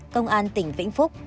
công an tỉnh vĩnh phúc